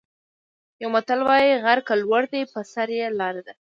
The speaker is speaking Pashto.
یو متل وايي: غر که لوړ دی په سر یې لاره ده.